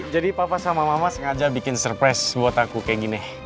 jadi papa sama mama sengaja bikin surprise buat aku kayak gini